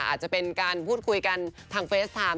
อาจจะเป็นการพูดคุยกันทางเฟสไทม์